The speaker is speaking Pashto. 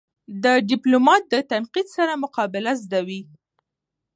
د ډيپلومات د تنقید سره مقابله زده وي.